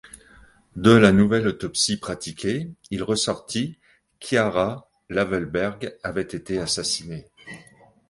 De la nouvelle autopsie pratiquée, il ressortit qu’Iara Iavelberg avait été assassinée.